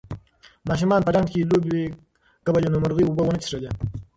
ماشومانو په ډنډ کې لوبې کولې نو مرغۍ اوبه ونه څښلې.